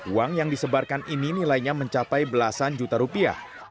uang yang disebarkan ini nilainya mencapai belasan juta rupiah